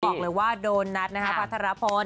บอกเลยว่าโดนัทนะฮะพัทรภนธ์